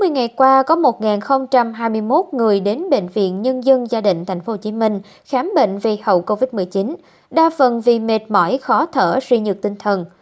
sáu mươi ngày qua có một hai mươi một người đến bệnh viện nhân dân gia định tp hcm khám bệnh vì hậu covid một mươi chín đa phần vì mệt mỏi khó thở suy nhược tinh thần